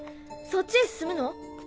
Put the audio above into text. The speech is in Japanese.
そっちへ進むの？